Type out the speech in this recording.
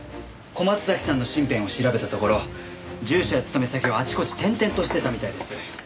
小松崎さんの身辺を調べたところ住所や勤め先をあちこち転々としてたみたいです。